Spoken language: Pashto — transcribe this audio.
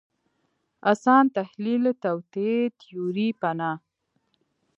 اسان تحلیل توطیې تیوري پناه